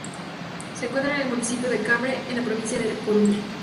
Se encuentra en el municipio de Cambre, en la provincia de La Coruña.